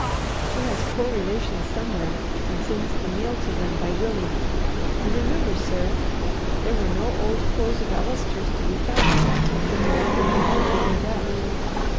She has poor relations somewhere, and sends the meal to them by Willie. You remember, sir, there were no old clothes of Allister's to be found when you wanted them for Jamie Duff."